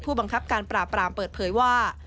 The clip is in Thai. บังคับการปราบปรามเปิดเผยว่า